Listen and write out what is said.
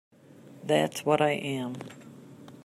That's what I am.